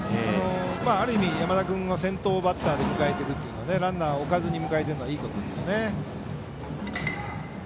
ある意味、山田君を先頭バッターで迎えているランナーを置かずに迎えてるのはいいことですよね。